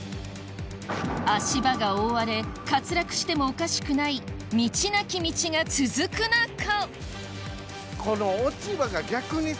足場が覆われ滑落してもおかしくない道なき道が続く中この落ち葉が逆にさ